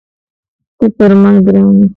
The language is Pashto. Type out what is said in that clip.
ته پر ما ګران یې.